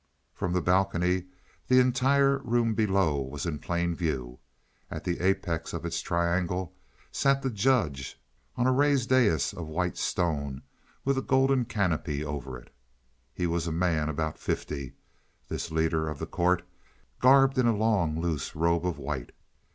From the balcony the entire room below was in plain view. At the apex of its triangle sat the judge, on a raised dais of white stone with a golden canopy over it. He was a man about fifty this leader of the court garbed in a long loose robe of white.